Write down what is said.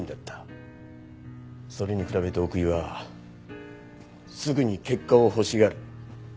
それに比べて奥居はすぐに結果を欲しがる。